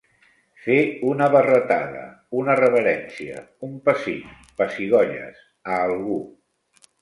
Fer una barretada, una reverència, un pessic, pessigolles, a algú.